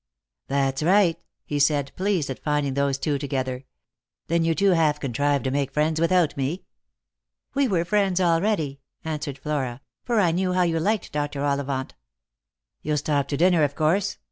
" That's right," he said, pleased at finding those two together. " Then you two have contrived to make friends without me? " "We were friends already," answered Flora; "for I knew how you liked Dr. Ollivant." " You'll stop to dinner, of course ?